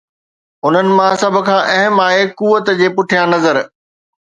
انهن مان سڀ کان اهم آهي قوت جي پٺيان نظر.